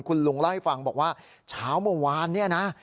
คุณลุงเล่าให้ฟังบอกว่าเช้าเมื่อวานเนี่ยนะ